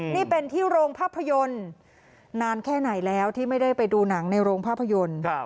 นี่เป็นที่โรงภาพยนตร์นานแค่ไหนแล้วที่ไม่ได้ไปดูหนังในโรงภาพยนตร์